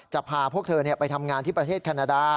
พาพวกเธอไปทำงานที่ประเทศแคนาดา